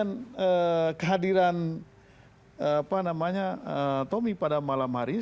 yang kedua dengan kehadiran tommy pada malam hari ini